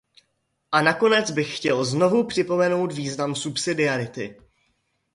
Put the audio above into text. A nakonec bych chtěl znovu připomenout význam subsidiarity.